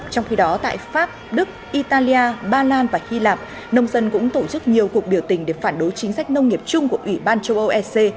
trong khi đó tại pháp đức italia ba lan và hy lạp nông dân cũng tổ chức nhiều cuộc biểu tình để phản đối chính sách nông nghiệp chung của ủy ban châu âu ec